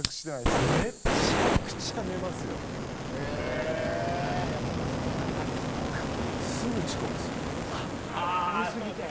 あっ寝過ぎて。